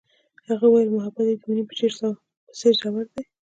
هغې وویل محبت یې د مینه په څېر ژور دی.